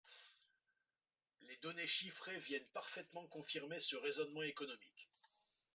Les données chiffrées viennent parfaitement confirmer ce raisonnement économique.